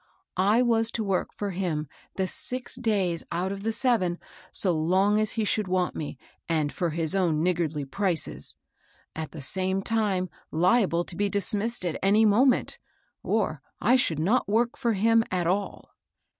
I was to work for him the six days out of the seven, so long as he should want me, and for his own niggardly prices ; at the 48 MABEL ItOSS. same time liable to be dismissed at any moment ; or, I should not work for him at all.